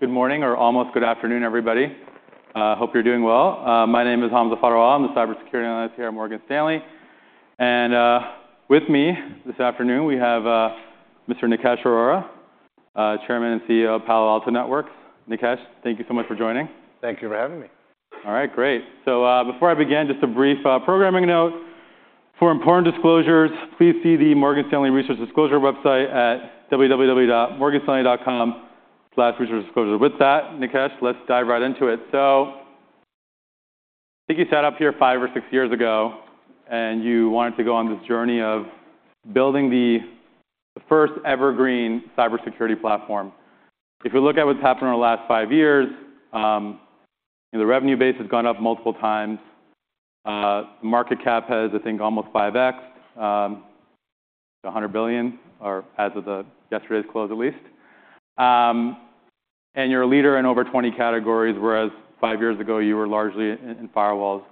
Good morning or almost good afternoon, everybody. Hope you're doing well. My name is Hamza Fodderwala. I'm the cybersecurity analyst here at Morgan Stanley. With me this afternoon, we have Mr. Nikesh Arora, Chairman and CEO of Palo Alto Networks. Nikesh, thank you so much for joining. Thank you for having me. All right, great. So, before I begin, just a brief programming note. For important disclosures, please see the Morgan Stanley Research Disclosure website at www.morganstanley.com/researchdisclosure. With that, Nikesh, let's dive right into it. So I think you sat up here five or six years ago, and you wanted to go on this journey of building the first evergreen cybersecurity platform. If you look at what's happened over the last five years, the revenue base has gone up multiple times. Market cap has, I think, almost 5x, $100 billion, or as of yesterday's close, at least. And you're a leader in over 20 categories, whereas five years ago you were largely in firewalls.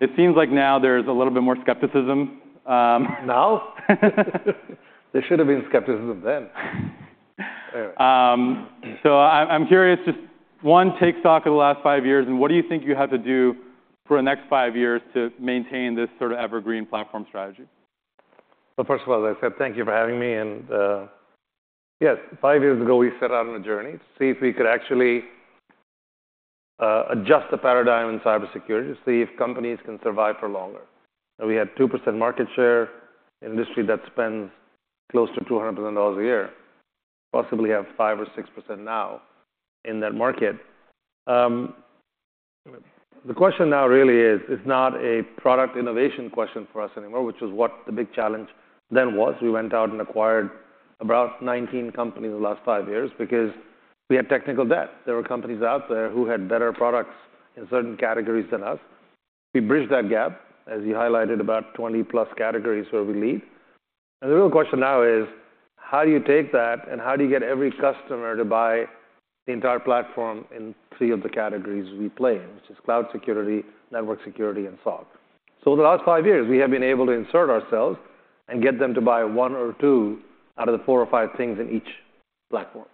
It seems like now there's a little bit more skepticism. Now? There should have been skepticism then. So, I'm curious, just one, take stock of the last five years, and what do you think you have to do for the next five years to maintain this sort of evergreen platform strategy? Well, first of all, as I said, thank you for having me, and yes, five years ago, we set out on a journey to see if we could actually adjust the paradigm in cybersecurity to see if companies can survive for longer. And we had 2% market share, an industry that spends close to $200 billion a year, possibly have 5% or 6% now in that market. The question now really is, it's not a product innovation question for us anymore, which is what the big challenge then was. We went out and acquired about 19 companies in the last five years because we had technical debt. There were companies out there who had better products in certain categories than us. We bridged that gap, as you highlighted, about +20 categories where we lead. The real question now is, how do you take that, and how do you get every customer to buy the entire platform in three of the categories we play in, which is cloud security, network security, and SOC? So over the last five years, we have been able to insert ourselves and get them to buy one or two out of the four or five things in each platform.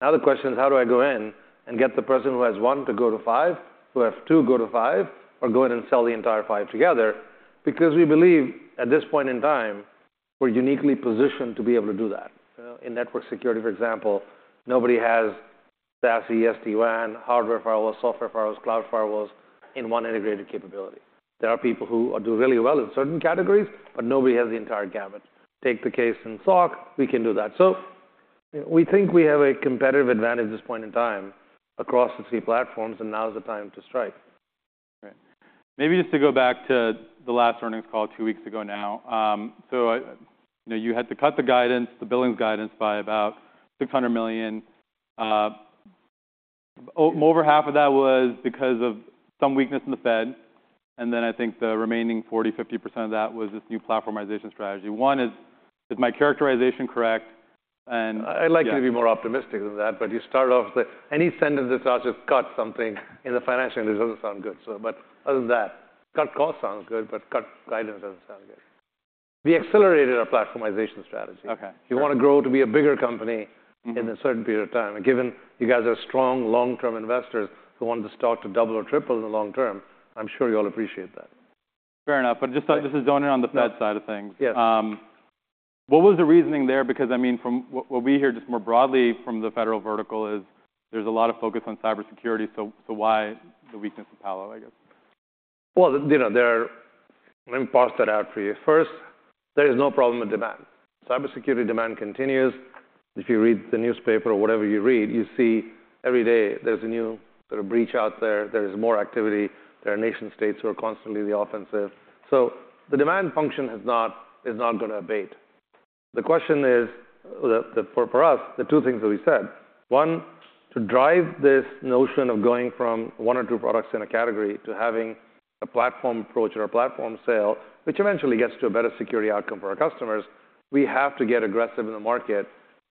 Now, the question is: how do I go in and get the person who has one to go to five, who have two go to five, or go in and sell the entire five together? Because we believe, at this point in time, we're uniquely positioned to be able to do that. You know, in network security, for example, nobody has SaaS, SD-WAN, hardware firewalls, software firewalls, cloud firewalls in one integrated capability. There are people who are doing really well in certain categories, but nobody has the entire gamut. Take the case in SOC. We can do that. So we think we have a competitive advantage at this point in time across the three platforms, and now is the time to strike. Right. Maybe just to go back to the last earnings call two weeks ago now, so, I. You know, you had to cut the guidance, the billings guidance, by about $600 million. Over half of that was because of some weakness in the Fed, and then I think the remaining 40%-50% of that was this new platformization strategy. One, is my characterization correct? And- I'd like you to be more optimistic than that, but you started off with any sentence that's out, just cut something in the financial news; it doesn't sound good. But other than that, cut cost sounds good, but cut guidance doesn't sound good. We accelerated our platformization strategy. Okay. You want to grow to be a bigger company- Mm-hmm. in a certain period of time, and given you guys are strong, long-term investors who want the stock to double or triple in the long term, I'm sure you all appreciate that. Fair enough, but just, just to zone in on the Fed side of things. Yes. What was the reasoning there? Because, I mean, from what we hear just more broadly from the federal vertical is there's a lot of focus on cybersecurity, so why the weakness of Palo, I guess? Let me parse that out for you. First, there is no problem with demand. Cybersecurity demand continues. If you read the newspaper or whatever you read, you see every day there's a new sort of breach out there. There is more activity. There are nation-states who are constantly on the offensive. So the demand function has not, is not going to abate. The question is, for us, the two things that we said: one, to drive this notion of going from one or two products in a category to having a platform approach or a platform sale, which eventually gets to a better security outcome for our customers, we have to get aggressive in the market.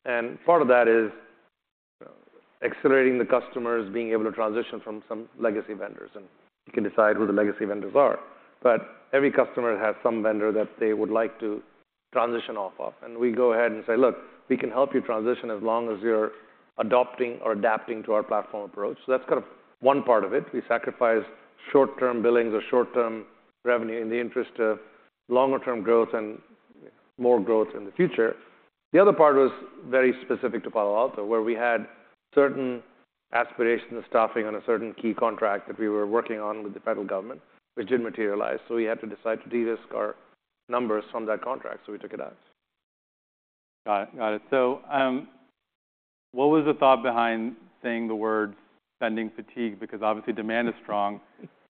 And part of that is accelerating the customers being able to transition from some legacy vendors, and you can decide who the legacy vendors are. But every customer has some vendor that they would like to transition off of, and we go ahead and say, "Look, we can help you transition as long as you're adopting or adapting to our platform approach." So that's kind of one part of it. We sacrifice short-term billings or short-term revenue in the interest of longer-term growth and more growth in the future. The other part was very specific to Palo Alto, where we had certain aspirations of staffing on a certain key contract that we were working on with the federal government, which didn't materialize. So we had to decide to de-risk our numbers from that contract, so we took it out. Got it. Got it. So, what was the thought behind saying the word spending fatigue? Because obviously, demand is strong.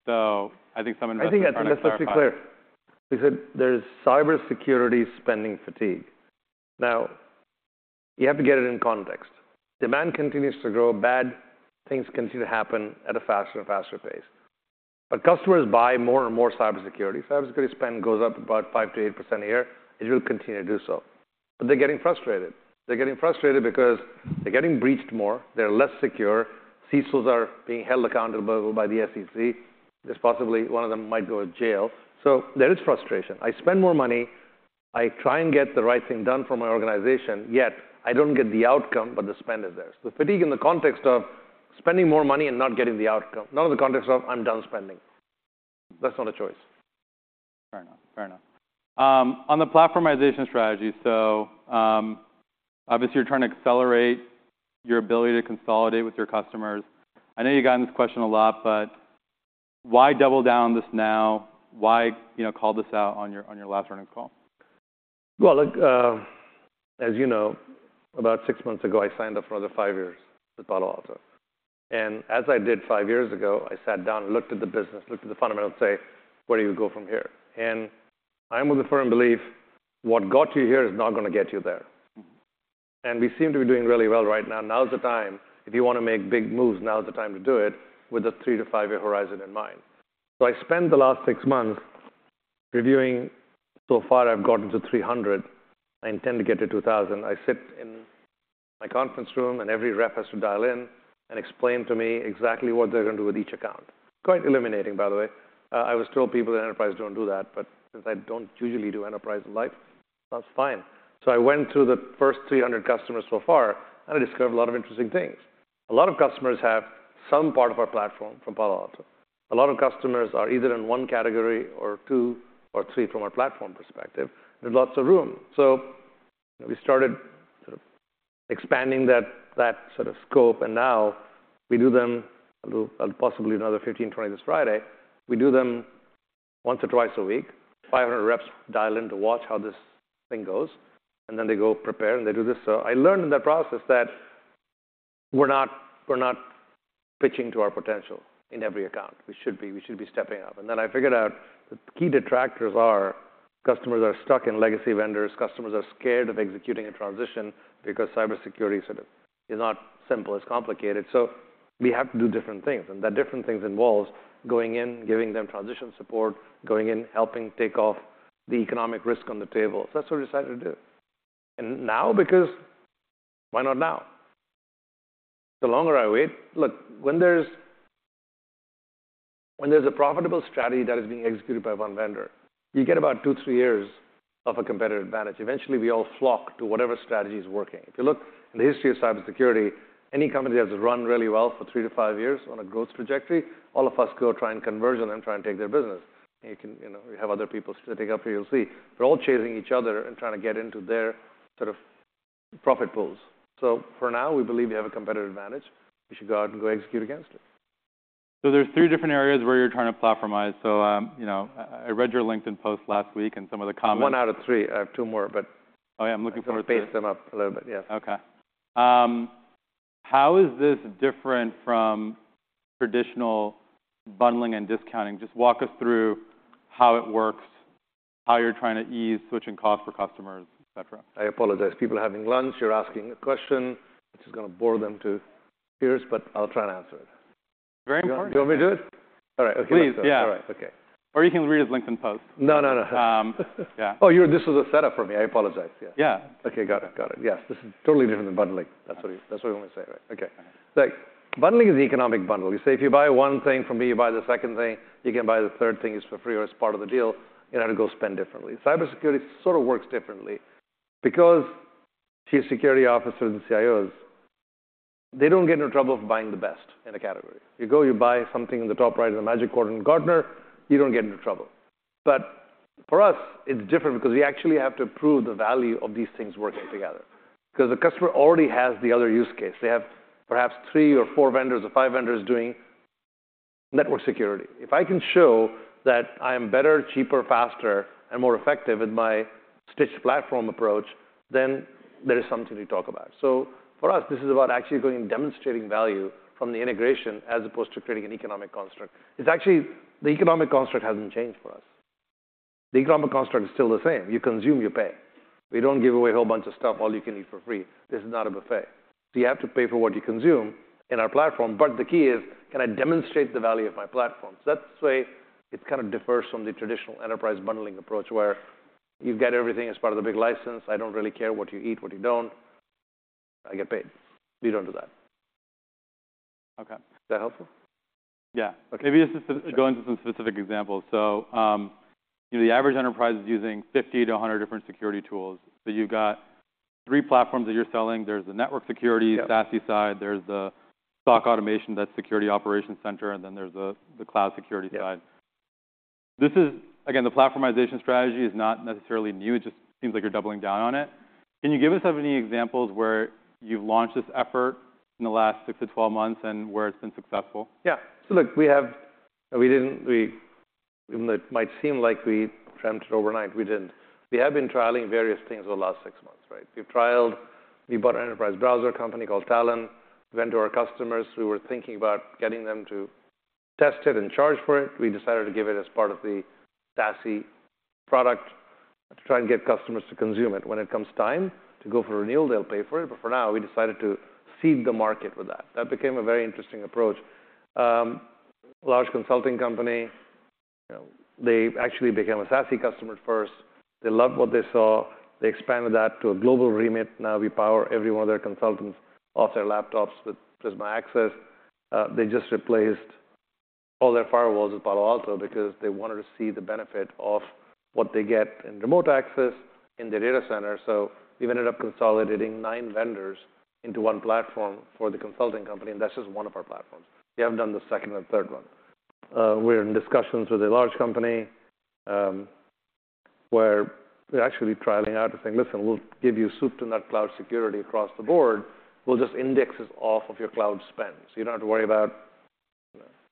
So I think someone- I think, let's be clear, because there's cybersecurity spending fatigue. Now, you have to get it in context. Demand continues to grow. Bad things continue to happen at a faster and faster pace. But customers buy more and more cybersecurity. Cybersecurity spend goes up about 5%-8% a year. It will continue to do so. But they're getting frustrated. They're getting frustrated because they're getting breached more, they're less secure, CISOs are being held accountable by the SEC, there's possibly one of them might go to jail. So there is frustration. I spend more money. I try and get the right thing done for my organization, yet I don't get the outcome, but the spend is there. So fatigue in the context of spending more money and not getting the outcome, not in the context of I'm done spending. That's not a choice. Fair enough. Fair enough. On the Platformization strategy, so, obviously you're trying to accelerate your ability to consolidate with your customers. I know you've gotten this question a lot, but why double down this now? Why, you know, call this out on your, on your last earnings call? Well, look, as you know, about six months ago, I signed up for another five years with Palo Alto. And as I did five years ago, I sat down and looked at the business, looked at the fundamentals, say, "Where do you go from here?" And I'm of the firm belief what got you here is not gonna get you there. We seem to be doing really well right now. Now's the time. If you wanna make big moves, now is the time to do it with a three to five year horizon in mind. So I spent the last 6 months reviewing. So far, I've gotten to 300, I intend to get to 2,000. I sit in my conference room, and every rep has to dial in and explain to me exactly what they're gonna do with each account. Quite illuminating, by the way. I was told people in enterprise don't do that, but since I don't usually do enterprise life, that's fine. So I went through the first 300 customers so far, and I discovered a lot of interesting things. A lot of customers have some part of our platform from Palo Alto. A lot of customers are either in one category or two or three from a platform perspective. There's lots of room. So we started expanding that, that sort of scope, and now we do them, possibly another 15, 20 this Friday. We do them once or twice a week. 500 reps dial in to watch how this thing goes, and then they go prepare, and they do this. So I learned in that process that we're not, we're not pitching to our potential in every account. We should be, we should be stepping up. And then I figured out the key detractors are customers are stuck in legacy vendors. Customers are scared of executing a transition because cybersecurity sort of is not simple, it's complicated. So we have to do different things, and the different things involves going in, giving them transition support, going in, helping take off the economic risk on the table. So that's what we decided to do. And now, because why not now? The longer I wait when there's, when there's a profitable strategy that is being executed by one vendor, you get about two to three years of a competitive advantage. Eventually, we all flock to whatever strategy is working. If you look in the history of cybersecurity, any company that has run really well for three to five years on a growth trajectory, all of us go try and converge on them, try and take their business. And you can, we have other people sitting up here, you'll see. We're all chasing each other and trying to get into their sort of profit pools. For now, we believe we have a competitive advantage. We should go out and go execute against it. So there's three different areas where you're trying to platformize. So, you know, I read your LinkedIn post last week and some of the comments... One out of three. I have two more, but- Oh, yeah, I'm looking for- pace them up a little bit. Yes. Okay. How is this different from traditional bundling and discounting? Just walk us through how it works, how you're trying to ease switching costs for customers, et cetera. I apologize. People are having lunch, you're asking a question, which is gonna bore them to tears, but I'll try and answer it. Very important. Do you want me to do it? All right. Okay. Please. Yeah. All right. Okay. Or you can read his LinkedIn post. No, no, no. yeah. Oh, this is a setup for me. I apologize. Yeah. Yeah. Okay, got it. Got it. Yes, this is totally different than bundling. That's what we, that's what we wanna say, right? Okay. Look, bundling is an economic bundle. You say, if you buy one thing from me, you buy the second thing, you can buy the third thing, it's for free or it's part of the deal, you're gonna go spend differently. Cybersecurity sort of works differently because chief security officers and CIOs, they don't get into trouble of buying the best in a category. You go, you buy something in the top right of the Magic Quadrant Gartner, you don't get into trouble. But for us, it's different because we actually have to prove the value of these things working together. Because the customer already has the other use case. They have perhaps three or four vendors or five vendors doing network security. If I can show that I am better, cheaper, faster, and more effective in my stitched platform approach, then there is something to talk about. So for us, this is about actually going and demonstrating value from the integration, as opposed to creating an economic construct. It's actually, the economic construct hasn't changed for us. The economic construct is still the same. You consume, you pay. We don't give away a whole bunch of stuff, all you can eat for free. This is not a buffet. So you have to pay for what you consume in our platform, but the key is, can I demonstrate the value of my platform? So that's why it kind of differs from the traditional enterprise bundling approach, where you've got everything as part of the big license. I don't really care what you eat, what you don't, I get paid. We don't do that. Okay. Is that helpful? Yeah. Okay. Maybe just go into some specific examples. So, you know, the average enterprise is using 50-100 different security tools. So you've got three platforms that you're selling. There's the network security- Yeah SASE side, there's the SOC automation, that's security operations center, and then there's the cloud security side. Yeah. This is, again, the platformization strategy is not necessarily new, it just seems like you're doubling down on it. Can you give us any examples where you've launched this effort in the last six months to 12 months and where it's been successful? Yeah. So look, we didn't. It might seem like we transitioned overnight. We didn't. We have been trialing various things over the last six months, right? We've trialed, we bought an enterprise browser company called Talon. Went to our customers, we were thinking about getting them to test it and charge for it. We decided to give it as part of the SASE product to try and get customers to consume it. When it comes time to go for renewal, they'll pay for it, but for now, we decided to seed the market with that. That became a very interesting approach. Large consulting company, you know, they actually became a SASE customer first. They loved what they saw. They expanded that to a global remit. Now, we power every one of their consultants off their laptops with Prisma Access. They just replaced-... all their firewalls with Palo Alto because they wanted to see the benefit of what they get in remote access in their data center. So we've ended up consolidating nine vendors into one platform for the consulting company, and that's just one of our platforms. We haven't done the second and third one. We're in discussions with a large company, where we're actually trialing out and saying: Listen, we'll give you soup to nut cloud security across the board. We'll just index this off of your cloud spend, so you don't have to worry about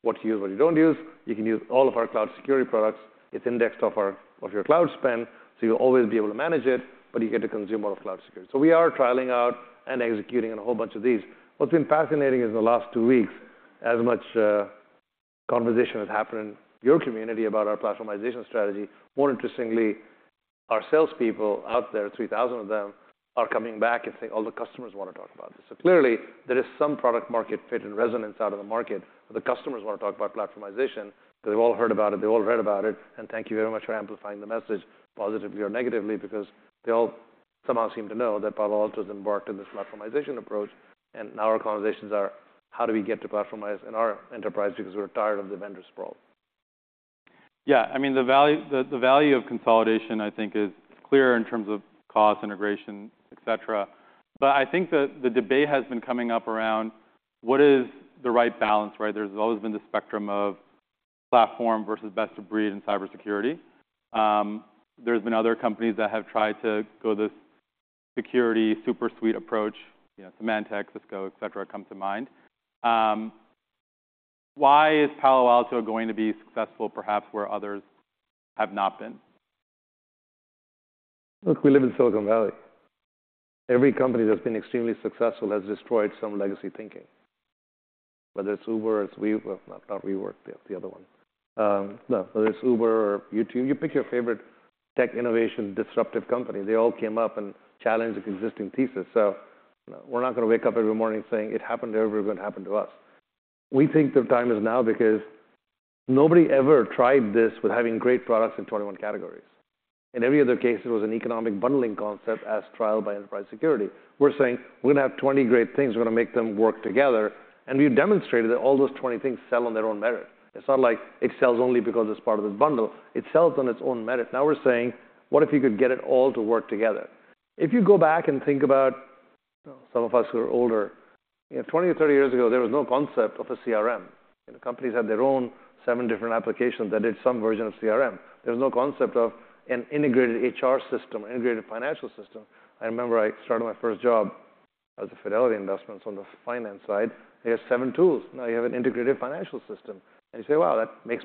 what to use, what you don't use. You can use all of our cloud security products. It's indexed off of your cloud spend, so you'll always be able to manage it, but you get to consume all the cloud security. So we are trialing out and executing on a whole bunch of these. What's been fascinating is in the last two weeks, as much conversation has happened in your community about our platformization strategy, more interestingly, our salespeople out there, 3,000 of them, are coming back and saying, "Oh, the customers wanna talk about this." So clearly there is some product market fit and resonance out of the market, where the customers wanna talk about platformization, they've all heard about it, they've all read about it, and thank you very much for amplifying the message, positively or negatively, because they all somehow seem to know that Palo Alto has embarked on this platformization approach, and now our conversations are: How do we get to platformize in our enterprise because we're tired of the vendor sprawl? Yeah, I mean, the value, the, the value of consolidation, I think is clear in terms of cost, integration, et cetera. But I think the, the debate has been coming up around what is the right balance, right? There's always been the spectrum of platform versus best of breed in cybersecurity. There's been other companies that have tried to go this security super suite approach, you know, Symantec, Cisco, et cetera, come to mind. Why is Palo Alto going to be successful, perhaps where others have not been? Look, we live in Silicon Valley. Every company that's been extremely successful has destroyed some legacy thinking, whether it's Uber or YouTube, you pick your favorite tech innovation, disruptive company, they all came up and challenged the existing thesis. So, you know, we're not gonna wake up every morning saying, "It happened to everyone, it happened to us." We think the time is now because nobody ever tried this with having great products in 21 categories. In every other case, it was an economic bundling concept as trialed by enterprise security. We're saying: We're gonna have 20 great things. We're gonna make them work together, and we've demonstrated that all those 20 things sell on their own merit. It's not like it sells only because it's part of this bundle. It sells on its own merit. Now, we're saying, "What if you could get it all to work together?" If you go back and think about, some of us who are older, you know, 20 or 30 years ago, there was no concept of a CRM, and companies had their own seven different applications that did some version of CRM. There was no concept of an integrated HR system, integrated financial system. I remember I started my first job as a Fidelity Investments on the finance side. They had seven tools. Now you have an integrated financial system, and you say, "Wow, that makes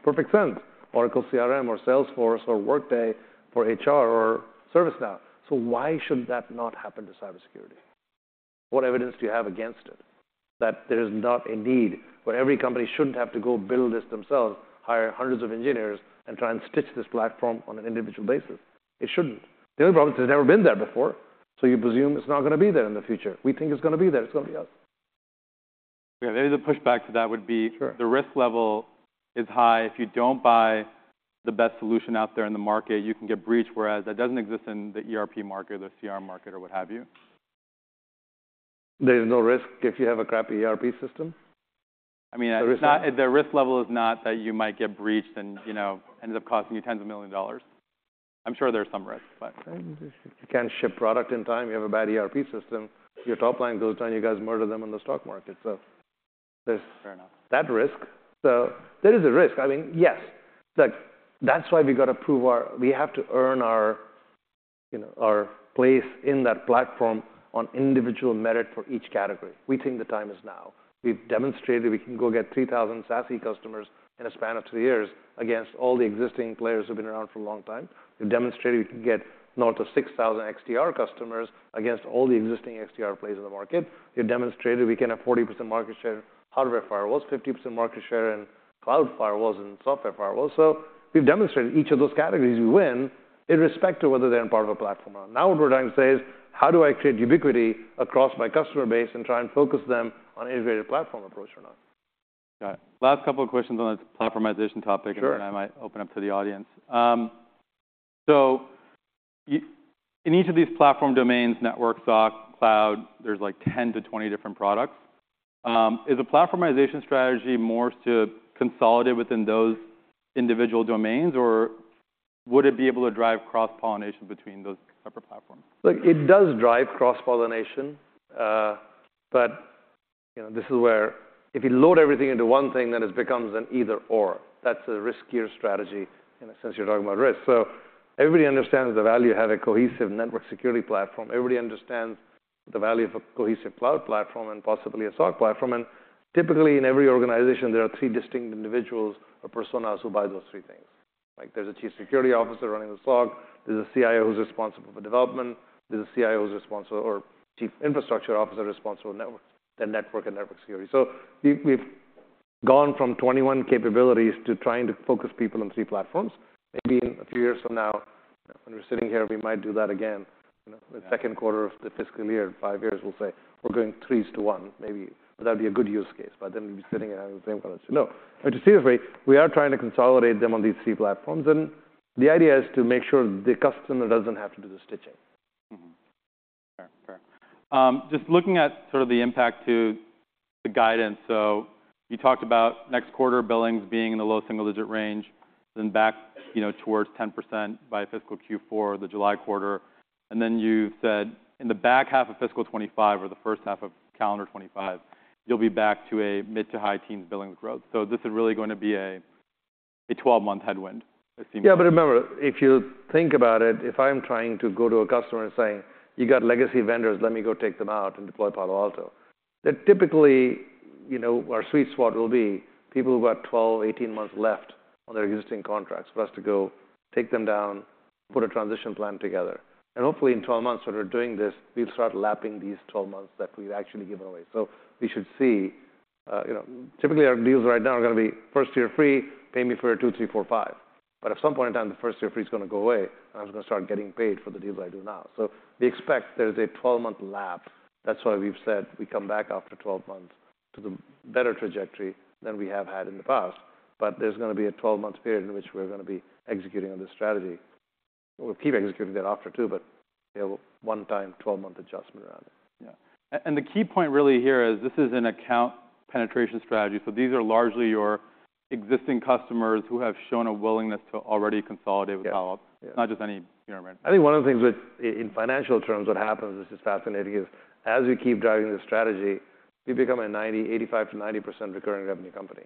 perfect sense." Oracle CRM or Salesforce or Workday for HR or ServiceNow. So why should that not happen to cybersecurity? What evidence do you have against it, that there is not a need, where every company shouldn't have to go build this themselves, hire hundreds of engineers, and try and stitch this platform on an individual basis? It shouldn't. The only problem is it's never been there before, so you presume it's not gonna be there in the future. We think it's gonna be there. It's going to be us. Yeah, maybe the pushback to that would be- Sure... the risk level is high. If you don't buy the best solution out there in the market, you can get breached, whereas that doesn't exist in the ERP market or the CRM market or what have you. There's no risk if you have a crappy ERP system? I mean- The risk-... the risk level is not that you might get breached and, you know, end up costing you tens of millions of dollars. I'm sure there's some risk, but- If you can't ship product in time, you have a bad ERP system, your top line goes down, you guys murder them in the stock market. So there's- Fair enough... that risk. So there is a risk. I mean, yes, but that's why we got to prove our - we have to earn our, you know, our place in that platform on individual merit for each category. We think the time is now. We've demonstrated we can go get 3,000 SASE customers in a span of two years against all the existing players who've been around for a long time. We've demonstrated we can get now to 6,000 XDR customers against all the existing XDR players in the market. We've demonstrated we can have 40% market share, hardware firewalls, 50% market share in cloud firewalls and software firewalls. So we've demonstrated each of those categories we win, in respect to whether they're in part of a platform or not. Now, what we're trying to say is, how do I create ubiquity across my customer base and try and focus them on integrated platform approach or not? Got it. Last couple of questions on the platformization topic- Sure. Then I might open up to the audience. So, in each of these platform domains, network, SOC, cloud, there's like 10-20 different products. Is the platformization strategy more to consolidate within those individual domains, or would it be able to drive cross-pollination between those separate platforms? Look, it does drive cross-pollination, but, you know, this is where if you load everything into one thing, then it becomes an either/or. That's a riskier strategy in a sense, you're talking about risk. So everybody understands the value of having a cohesive network security platform. Everybody understands the value of a cohesive cloud platform and possibly a SOC platform, and typically, in every organization, there are three distinct individuals or personas who buy those three things. Like, there's a chief security officer running the SOC, there's a CIO who's responsible for development, there's a CIO who's responsible or chief infrastructure officer responsible for network, the network and network security. So we've, we've gone from 21 capabilities to trying to focus people on three platforms. Maybe in a few years from now, when we're sitting here, we might do that again. You know- Yeah... the second quarter of the fiscal year, in five years, we'll say, "We're going three to one," maybe. That'd be a good use case, but then we'd be sitting here having the same conversation. No, but to see if we are trying to consolidate them on these three platforms, and the idea is to make sure the customer doesn't have to do the stitching. Sure. Just looking at sort of the impact to the guidance. So you talked about next quarter billings being in the low single-digit range, then back, you know, towards 10% by fiscal Q4, the July quarter. And then you said in the back half of fiscal 2025 or the first half of calendar 2025, you'll be back to a mid- to high-teens billings growth. So this is really going to be a 12-month headwind, it seems. Yeah, but remember, if you think about it, if I'm trying to go to a customer and saying, "You got legacy vendors, let me go take them out and deploy Palo Alto," then typically, you know, our sweet spot will be people who have 12, 18 months left on their existing contracts for us to go take them down, put a transition plan together. And hopefully, in 12 months that we're doing this, we'll start lapping these 12 months that we've actually given away. So we should see, you know—Typically, our deals right now are gonna be first year free, pay me for two, three, four, five. But at some point in time, the first year free is gonna go away, and I'm going to start getting paid for the deals I do now. So we expect there's a 12-month lap. That's why we've said we come back after 12 months to the better trajectory than we have had in the past, but there's gonna be a 12-month period in which we're gonna be executing on this strategy. We'll keep executing that after, too, but, you know, one-time, 12-month adjustment around it. Yeah. And the key point really here is this is an account penetration strategy, so these are largely your existing customers who have shown a willingness to already consolidate- Yeah -with Palo Alto. Yeah. Not just any, you know, right? I think one of the things with in financial terms what happens, which is fascinating, is as we keep driving this strategy, we've become an 85%-90% recurring revenue company,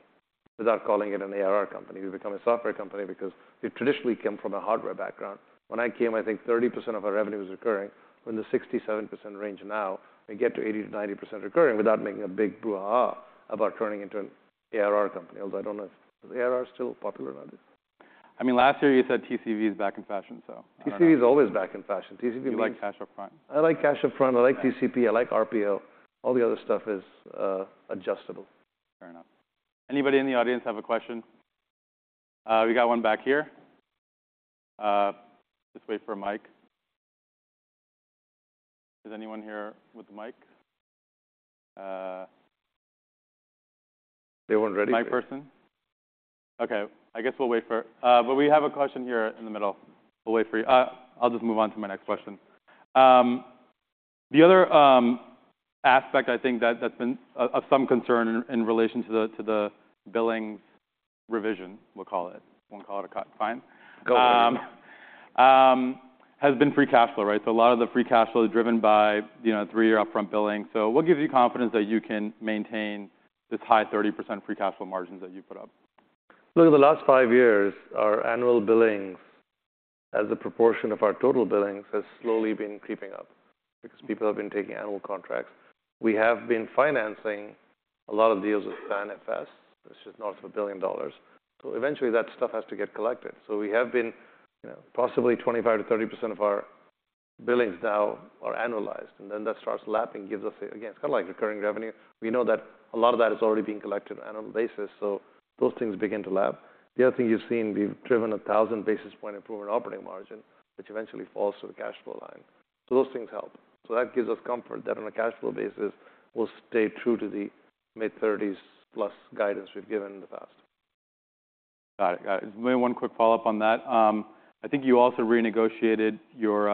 without calling it an ARR company. We've become a software company because we've traditionally come from a hardware background. When I came, I think 30% of our revenue was recurring. We're in the 67% range now, and get to 80%-90% recurring without making a big brouhaha about turning into an ARR company, although I don't know if ARR is still popular or not. I mean, last year you said TCV is back in fashion, so I don't know. TCV is always back in fashion. TCV like- You like cash up front. I like cash up front. Yeah. I like TCV, I like RPO. All the other stuff is adjustable. Fair enough. Anybody in the audience have a question? We got one back here. Just wait for a mic. Is anyone here with the mic? They weren't ready. Mic person? Okay, I guess we'll wait for... But we have a question here in the middle. We'll wait for you. I'll just move on to my next question. The other, aspect, I think, that, that's been, of, of some concern in, in relation to the, to the billings revision, we'll call it, won't call it a cut, fine- Go ahead ... has been free cash flow, right? So a lot of the free cash flow is driven by, you know, three-year upfront billing. So what gives you confidence that you can maintain this high 30% free cash flow margins that you put up? Look, over the last five years, our annual billings, as a proportion of our total billings, has slowly been creeping up because people have been taking annual contracts. We have been financing a lot of deals with PANFS. This is north of $1 billion. So eventually, that stuff has to get collected. So we have been, you know, possibly 25%-30% of our billings now are annualized, and then that starts lapping, gives us, again, it's kind of like recurring revenue. We know that a lot of that is already being collected on an annual basis, so those things begin to lap. The other thing you've seen, we've driven a 1,000 basis point improvement operating margin, which eventually falls to the cash flow line. So those things help. That gives us comfort that on a cash flow basis, we'll stay true to the mid-30s+ guidance we've given in the past. Got it. Got it. Maybe one quick follow-up on that. I think you also renegotiated your,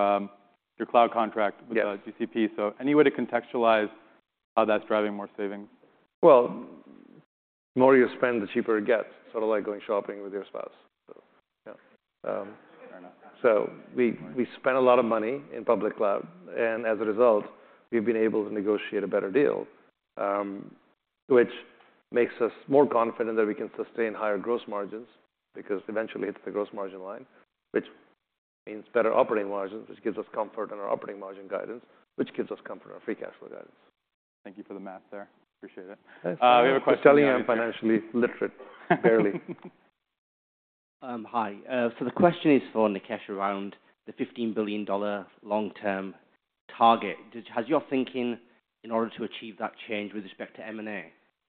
your cloud contract- Yeah with GCP. So any way to contextualize how that's driving more savings? Well, the more you spend, the cheaper it gets, sort of like going shopping with your spouse. So, yeah. Fair enough. We spent a lot of money in public cloud, and as a result, we've been able to negotiate a better deal, which makes us more confident that we can sustain higher gross margins, because eventually, it's the gross margin line, which means better operating margins, which gives us comfort in our operating margin guidance, which gives us comfort in our free cash flow guidance. Thank you for the math there. Appreciate it. Yes. We have a question. Thanks for telling. I'm financially literate, barely. Hi. So the question is for Nikesh around the $15 billion long-term target. Has your thinking in order to achieve that change with respect to M&A?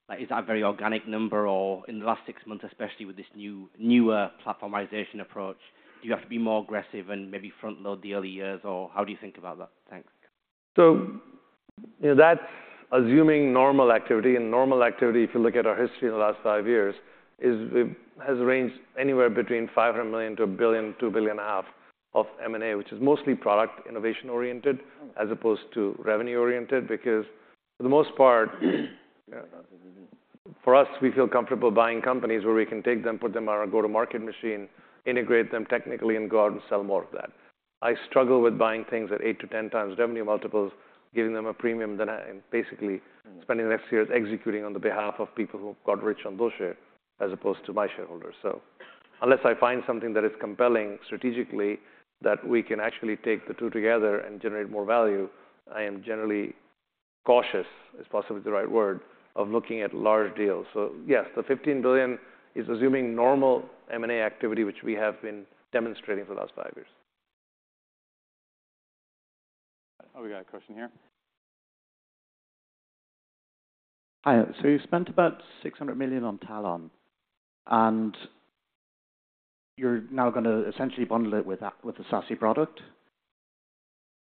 Like, is that a very organic number, or in the last six months, especially with this new, newer platformization approach, do you have to be more aggressive and maybe front-load the early years, or how do you think about that? Thanks. So, you know, that's assuming normal activity, and normal activity, if you look at our history in the last five years, is, has ranged anywhere between $500 million-$2.5 billion of M&A, which is mostly product innovation-oriented, as opposed to revenue-oriented. Because for the most part, for us, we feel comfortable buying companies where we can take them, put them on our go-to-market machine, integrate them technically, and go out and sell more of that. I struggle with buying things at 8x-10x revenue multiples, giving them a premium, then I... basically spending the next years executing on the behalf of people who've got rich on those shares, as opposed to my shareholders. So unless I find something that is compelling strategically, that we can actually take the two together and generate more value, I am generally cautious, is possibly the right word, of looking at large deals. So yes, the $15 billion is assuming normal M&A activity, which we have been demonstrating for the last five years. Oh, we got a question here. Hi. So you spent about $600 million on Talon, and you're now gonna essentially bundle it with a SASE product.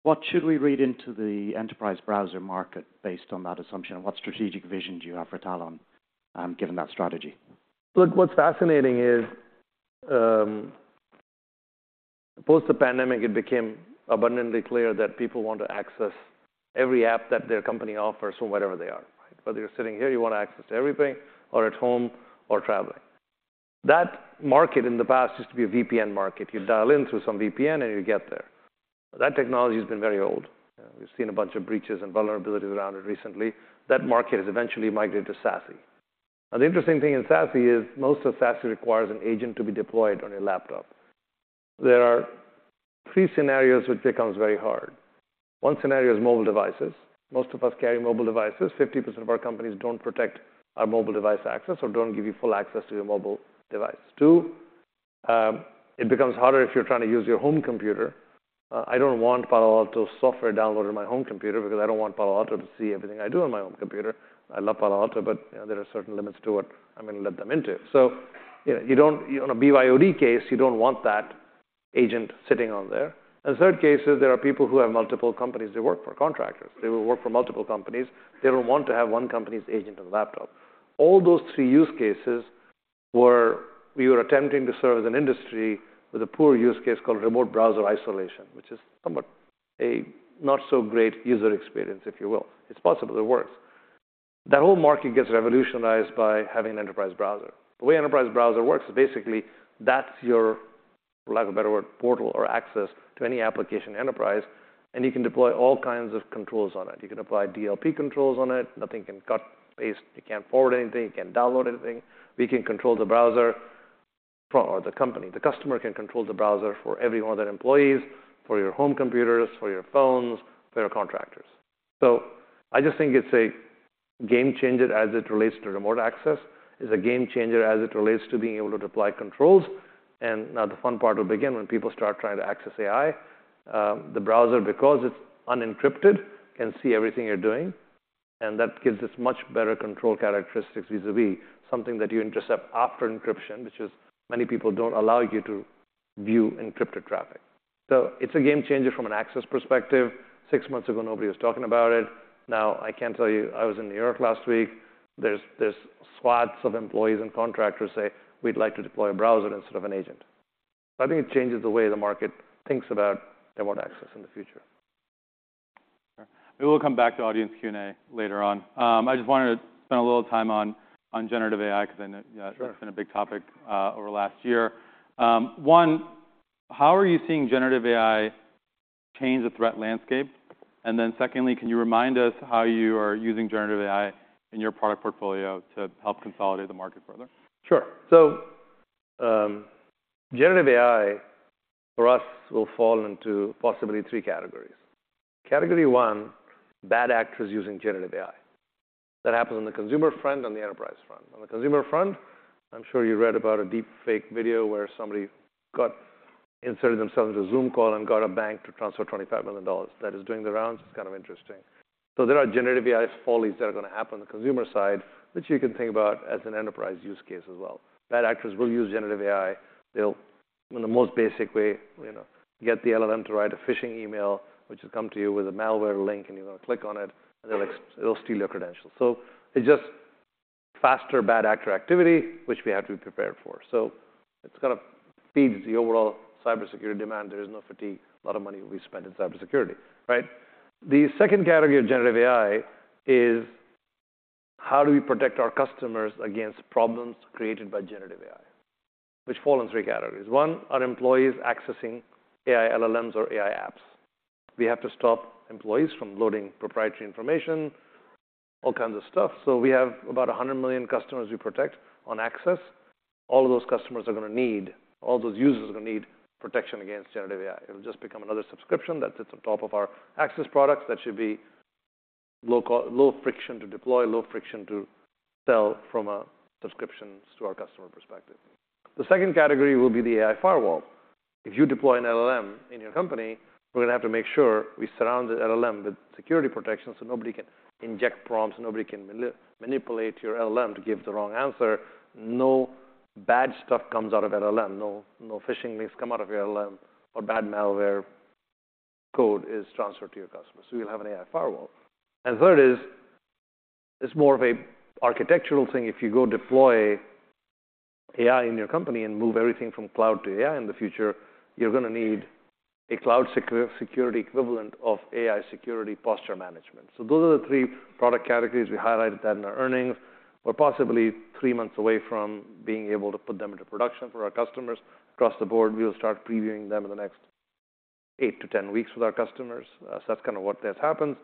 What should we read into the enterprise browser market based on that assumption, and what strategic vision do you have for Talon, given that strategy? Look, what's fascinating is, post the pandemic, it became abundantly clear that people want to access every app that their company offers from wherever they are, right? Whether you're sitting here, you want access to everything, or at home, or traveling. That market in the past used to be a VPN market. You dial in through some VPN, and you get there. That technology has been very old. We've seen a bunch of breaches and vulnerabilities around it recently. That market has eventually migrated to SASE. Now, the interesting thing in SASE is most of SASE requires an agent to be deployed on your laptop. There are three scenarios which becomes very hard. One scenario is mobile devices. Most of us carry mobile devices. 50% of our companies don't protect our mobile device access or don't give you full access to your mobile device. 2, it becomes harder if you're trying to use your home computer. I don't want Palo Alto software downloaded on my home computer because I don't want Palo Alto to see everything I do on my home computer. I love Palo Alto, but, you know, there are certain limits to what I'm going to let them into. So, you know, on a BYOD case, you don't want that agent sitting on there. And third case is there are people who have multiple companies. They work for contractors. They will work for multiple companies. They don't want to have one company's agent on the laptop. All those three use cases were. We were attempting to serve as an industry with a poor use case called remote browser isolation, which is somewhat a not-so-great user experience, if you will. It's possible it works. That whole market gets revolutionized by having an enterprise browser. The way enterprise browser works is basically that's your, lack of a better word, portal or access to any application enterprise, and you can deploy all kinds of controls on it. You can apply DLP controls on it. Nothing can cut, paste, you can't forward anything, you can't download anything. We can control the browser for or the company. The customer can control the browser for every one of their employees, for your home computers, for your phones, for your contractors. So I just think it's a game changer as it relates to remote access. It's a game changer as it relates to being able to deploy controls, and now the fun part will begin when people start trying to access AI. The browser, because it's unencrypted, can see everything you're doing, and that gives us much better control characteristics vis-à-vis something that you intercept after encryption, which is many people don't allow you to view encrypted traffic. So it's a game changer from an access perspective. Six months ago, nobody was talking about it. Now, I can tell you, I was in New York last week. There's swaths of employees and contractors say, "We'd like to deploy a browser instead of an agent." I think it changes the way the market thinks about remote access in the future. We will come back to audience Q&A later on. I just wanted to spend a little time on generative AI, because I know, yeah- Sure. It's been a big topic over last year. One, how are you seeing Generative AI change the threat landscape? And then secondly, can you remind us how you are using Generative AI in your product portfolio to help consolidate the market further? Sure. So, generative AI for us will fall into possibly three categories. Category one, bad actors using generative AI. That happens on the consumer front, on the enterprise front. On the consumer front, I'm sure you read about a deepfake video where somebody got inserted themselves into a Zoom call and got a bank to transfer $25 million. That is doing the rounds. It's kind of interesting. So there are generative AI follies that are going to happen on the consumer side, which you can think about as an enterprise use case as well. Bad actors will use generative AI. They'll, in the most basic way, you know, get the LLM to write a phishing email, which will come to you with a malware link, and you're going to click on it, and it'll steal your credentials. So it's just faster bad actor activity, which we have to be prepared for. So it's gonna feed the overall cybersecurity demand. There is no fatigue, a lot of money will be spent in cybersecurity, right? The second category of generative AI is how do we protect our customers against problems created by generative AI, which fall in three categories. One, are employees accessing AI LLMs or AI apps? We have to stop employees from loading proprietary information, all kinds of stuff. So we have about 100 million customers we protect on access. All those users are going to need protection against generative AI. It'll just become another subscription that sits on top of our access products. That should be low friction to deploy, low friction to sell from a subscriptions to our customer perspective. The second category will be the AI firewall. If you deploy an LLM in your company, we're gonna have to make sure we surround the LLM with security protection so nobody can inject prompts, nobody can manipulate your LLM to give the wrong answer. No bad stuff comes out of LLM. No, no phishing links come out of your LLM or bad malware code is transferred to your customer. So we'll have an AI firewall. And third is, it's more of an architectural thing. If you go deploy AI in your company and move everything from cloud to AI in the future, you're gonna need a cloud security equivalent of AI security posture management. So those are the three product categories. We highlighted that in our earnings. We're possibly three months away from being able to put them into production for our customers across the board. We'll start previewing them in the next eight to 10 weeks with our customers. So that's kinda what has happened.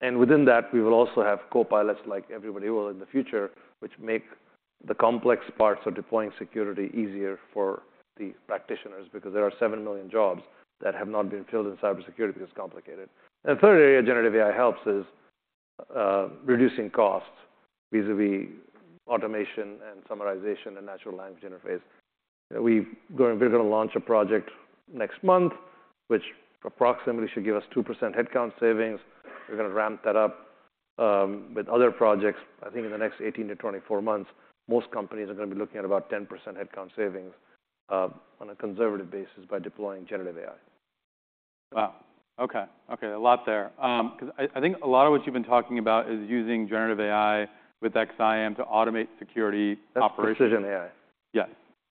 And within that, we will also have copilots, like everybody will in the future, which make the complex parts of deploying security easier for the practitioners, because there are 7 million jobs that have not been filled in cybersecurity. It's complicated. And third area, Generative AI helps is reducing costs, vis-à-vis automation and summarization and natural language interface. We're gonna launch a project next month, which approximately should give us 2% headcount savings. We're gonna ramp that up with other projects. I think in the next 18-24 months, most companies are gonna be looking at about 10% headcount savings on a conservative basis by deploying Generative AI.... Wow! Okay, okay, a lot there. 'Cause I think a lot of what you've been talking about is using generative AI with XSIAM to automate security operations. That's Precision AI. Yeah.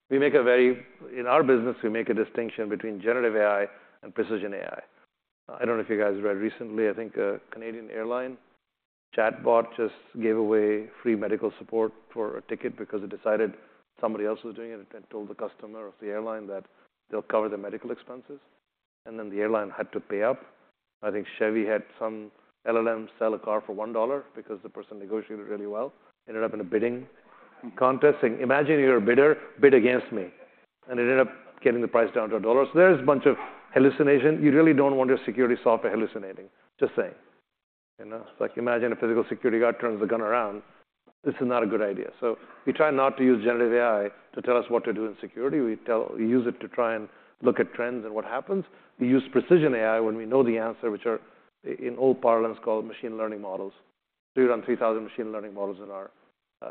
In our business, we make a distinction between generative AI and precision AI. I don't know if you guys read recently, I think, an Air Canada chatbot just gave away free medical support for a ticket because it decided somebody else was doing it, and told the customer of the airline that they'll cover their medical expenses, and then the airline had to pay up. I think Chevy had some LLM sell a car for $1 because the person negotiated really well, ended up in a bidding contest. And imagine you're a bidder, bid against me, and it ended up getting the price down to $1. So there's a bunch of hallucination. You really don't want your security software hallucinating. Just saying. You know, it's like imagine a physical security guard turns the gun around. This is not a good idea. We try not to use Generative AI to tell us what to do in security. We use it to try and look at trends and what happens. We use Precision AI when we know the answer, which are, in old parlance, called machine learning models. We run 3,000 machine learning models in our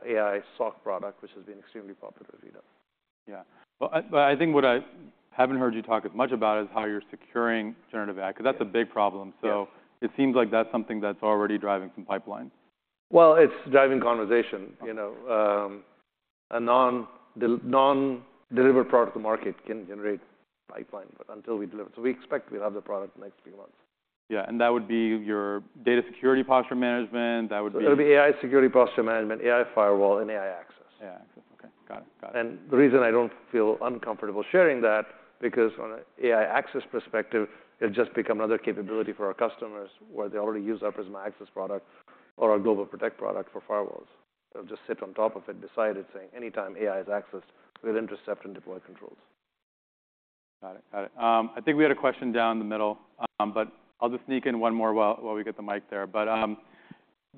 AI SOC product, which has been extremely popular as we know. Yeah. Well, I, but I think what I haven't heard you talk as much about is how you're securing Generative AI, 'cause that's a big problem. Yeah. It seems like that's something that's already driving some pipelines. Well, it's driving conversation, you know. A non-delivered product to market can generate pipeline, but until we deliver. So we expect we'll have the product in the next few months. Yeah, and that would be your AI security posture management, that would be- It'll be AI Security Posture Management, AI Firewall, and AI Access. AI Access. Okay, got it. Got it. The reason I don't feel uncomfortable sharing that, because on an AI Access perspective, it'll just become another capability for our customers, where they already use our Prisma Access product or our GlobalProtect product for firewalls. They'll just sit on top of it, decide it, saying, anytime AI is accessed, we'll intercept and deploy controls. Got it, got it. I think we had a question down in the middle, but I'll just sneak in one more while we get the mic there. But,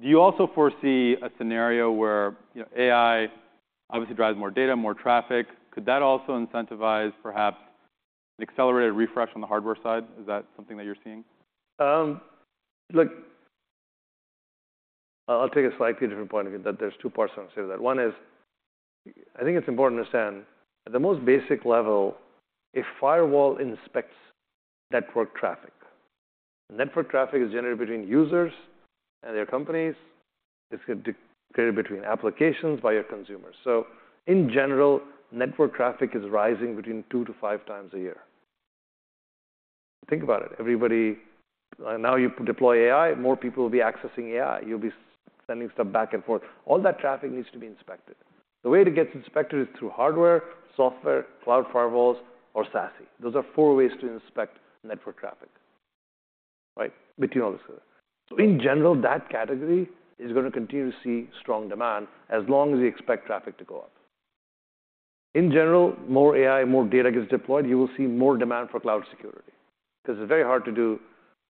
do you also foresee a scenario where, you know, AI obviously drives more data, more traffic? Could that also incentivize perhaps an accelerated refresh on the hardware side? Is that something that you're seeing? Look, I'll take a slightly different point of view, that there's two parts to that. One is, I think it's important to understand, at the most basic level, a firewall inspects network traffic. Network traffic is generated between users and their companies. It's generated between applications by consumers. So in general, network traffic is rising between 2x-5x a year. Think about it. Everybody, now you deploy AI, more people will be accessing AI. You'll be sending stuff back and forth. All that traffic needs to be inspected. The way it gets inspected is through hardware, software, cloud firewalls, or SASE. Those are four ways to inspect network traffic, right? Between all those. So in general, that category is gonna continue to see strong demand as long as we expect traffic to go up. In general, more AI, more data gets deployed, you will see more demand for cloud security because it's very hard to do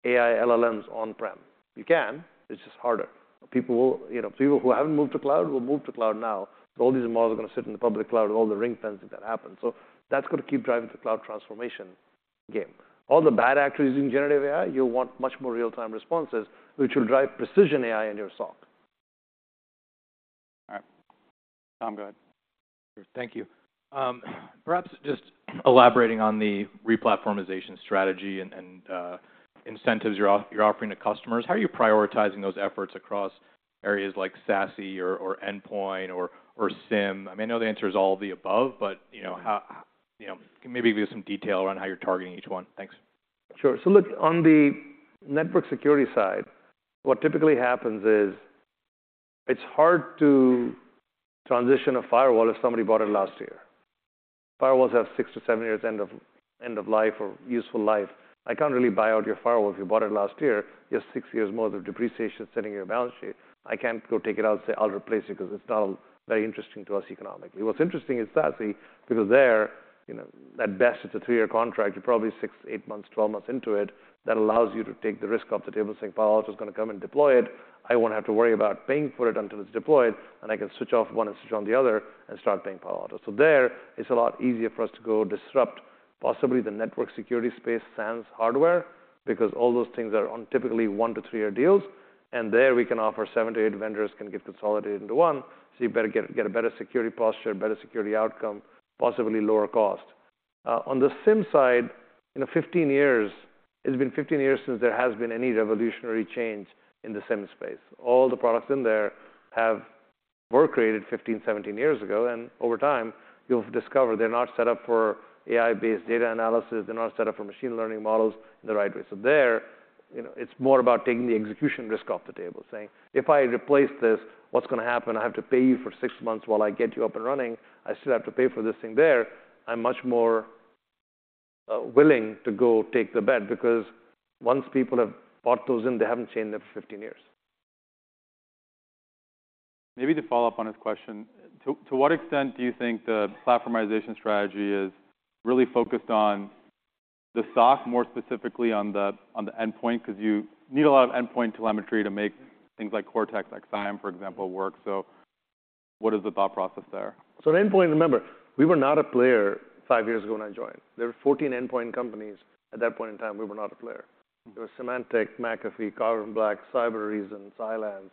AI LLMs on-prem. You can, it's just harder. People will, you know, people who haven't moved to cloud will move to cloud now. So all these models are gonna sit in the public cloud with all the ringfencing that happens. So that's gonna keep driving the cloud transformation game. All the bad actors using Generative AI, you'll want much more real-time responses, which will drive Precision AI in your SOC. All right. Tom, go ahead. Thank you. Perhaps just elaborating on the re-platformization strategy and incentives you're offering to customers. How are you prioritizing those efforts across areas like SASE or endpoint or SIEM? I mean, I know the answer is all of the above, but you know, how you know, can maybe give some detail around how you're targeting each one? Thanks. Sure. So look, on the network security side, what typically happens is it's hard to transition a firewall if somebody bought it last year. Firewalls have six to seven years end of, end of life or useful life. I can't really buy out your firewall if you bought it last year. You have sixyears more of depreciation sitting in your balance sheet. I can't go take it out and say, "I'll replace it," because it's not very interesting to us economically. What's interesting is SASE, because there, you know, at best, it's a two-year contract. You're probably six, eight, months, 12 months into it. That allows you to take the risk off the table, saying, "Palo Alto is gonna come and deploy it. I won't have to worry about paying for it until it's deployed, and I can switch off one and switch on the other and start paying Palo Alto." So there, it's a lot easier for us to go disrupt possibly the network security space, SANs hardware, because all those things are on typically one to three year deals. And there we can offer seven to eight vendors, can get consolidated into one. So you better get a better security posture, better security outcome, possibly lower cost. On the SIEM side, in the 15 years, it's been 15 years since there has been any revolutionary change in the SIEM space. All the products in there have were created 15, 17 years ago, and over time, you'll discover they're not set up for AI-based data analysis. They're not set up for machine learning models the right way. So there, you know, it's more about taking the execution risk off the table, saying, "If I replace this, what's going to happen? I have to pay you for six months while I get you up and running. I still have to pay for this thing there." I'm much more willing to go take the bet because once people have bought those in, they haven't changed them for 15 years. Maybe to follow up on his question, to what extent do you think the platformization strategy is really focused on the SOC, more specifically on the endpoint? Beause you need a lot of endpoint telemetry to make things like Cortex XSIAM, for example, work. So what is the thought process there? The endpoint, remember, we were not a player five years ago when I joined. There were 14 endpoint companies at that point in time, we were not a player. There was Symantec, McAfee, Carbon Black, Cybereason, Cylance,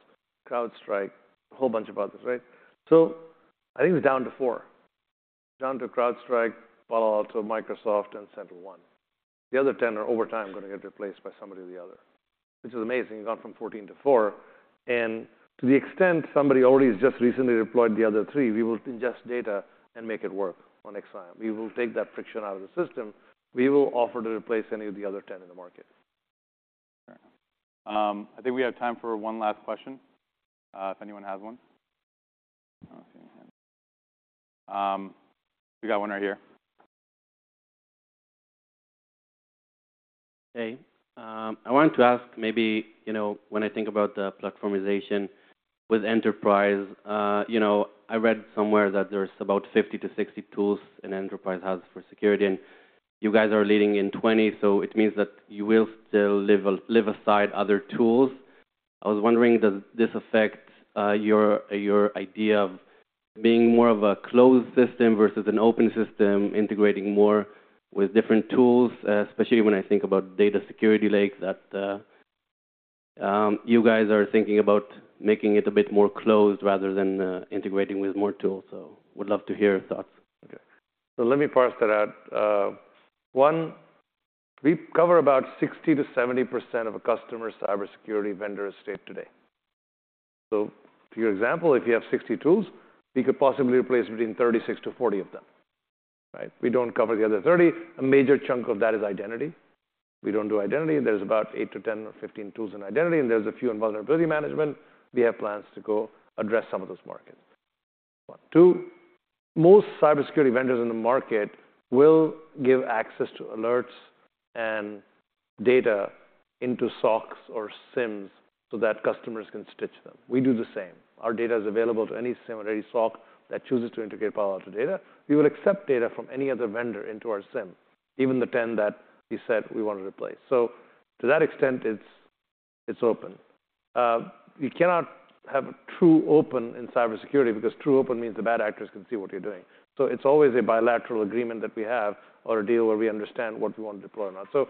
CrowdStrike, a whole bunch of others, right? So I think it's down to four... down to CrowdStrike, Palo Alto, Microsoft, and SentinelOne. The other 10 are over time going to get replaced by somebody or the other, which is amazing. It got from 14 to four, and to the extent somebody already has just recently deployed the other three, we will ingest data and make it work on XSIAM. We will take that friction out of the system. We will offer to replace any of the other 10 in the market. I think we have time for one last question, if anyone has one. We got one right here. Hey, I wanted to ask maybe, you know, when I think about the platformization with enterprise, you know, I read somewhere that there's about 50-60 tools an enterprise has for security, and you guys are leading in 20, so it means that you will still live alongside other tools. I was wondering, does this affect your idea of being more of a closed system versus an open system, integrating more with different tools, especially when I think about data security lakes that you guys are thinking about making it a bit more closed rather than integrating with more tools. So would love to hear your thoughts. Okay. So let me parse that out. One, we cover about 60%-70% of a customer's cybersecurity vendor estate today. So to your example, if you have 60 tools, we could possibly replace between 36-40 of them, right? We don't cover the other 30. A major chunk of that is identity. We don't do identity. There's about eight to ten or 15 tools in identity, and there's a few in vulnerability management. We have plans to go address some of those markets. Two, most cybersecurity vendors in the market will give access to alerts and data into SOCs or SIEMs so that customers can stitch them. We do the same. Our data is available to any SIEM or any SOC that chooses to integrate Palo Alto data. We will accept data from any other vendor into our SIEM, even the 10 that you said we want to replace. So to that extent, it's, it's open. You cannot have true open in cybersecurity because true open means the bad actors can see what you're doing. So it's always a bilateral agreement that we have or a deal where we understand what we want to deploy or not. So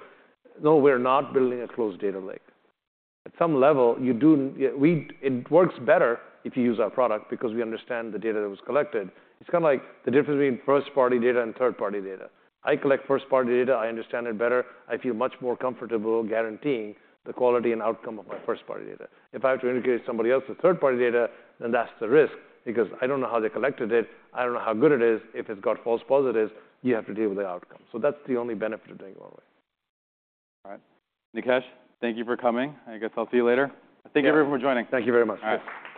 no, we're not building a closed data lake. At some level, it works better if you use our product because we understand the data that was collected. It's kind of like the difference between first-party data and third-party data. I collect first-party data. I understand it better. I feel much more comfortable guaranteeing the quality and outcome of my first-party data. If I have to integrate somebody else's third-party data, then that's the risk because I don't know how they collected it. I don't know how good it is. If it's got false positives, you have to deal with the outcome. So that's the only benefit of taking it away. All right. Nikesh, thank you for coming. I guess I'll see you later. Yeah. Thank you, everyone, for joining. Thank you very much.